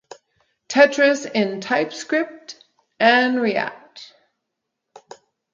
Tetris in TypeScript and React